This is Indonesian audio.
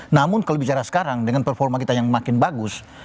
namun kalau bicara sekarang dengan performa kita yang makin bagus